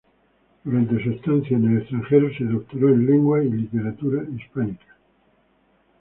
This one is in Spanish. Durante su estancia en el extranjero se doctoró en Lengua y Literatura Hispánicas.